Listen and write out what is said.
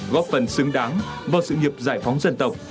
góp phần xứng đáng vào sự nghiệp giải phóng dân tộc